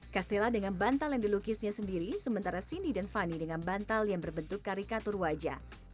castella dengan bantal yang dilukisnya sendiri sementara cindy dan fani dengan bantal yang berbentuk karikatur wajah